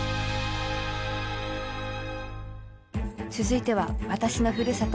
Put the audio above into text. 続いては私のふるさと